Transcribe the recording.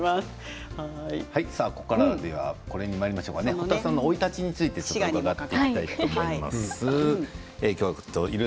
堀田さんの生い立ちについて伺っていきたいと思います。